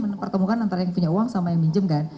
mereka mau kan antara yang punya uang sama yang minjem kan